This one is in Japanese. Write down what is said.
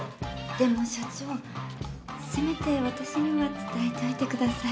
でも社長せめて私には伝えておいてください。